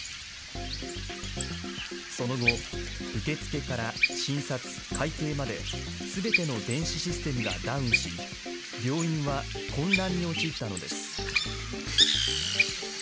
その後、受付から診察、会計まで、すべての電子システムがダウンし、病院は混乱に陥ったのです。